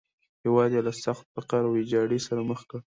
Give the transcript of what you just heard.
هېواد یې له سخت فقر او ویجاړۍ سره مخ کړ.